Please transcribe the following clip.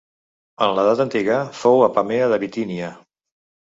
En l'edat antiga fou Apamea de Bitínia.